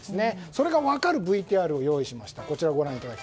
それが分かるＶＴＲを用意しました。